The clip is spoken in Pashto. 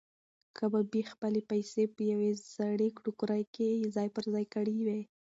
کبابي خپلې پیسې په یوې زړې ټوکرۍ کې ځای پر ځای کړې وې.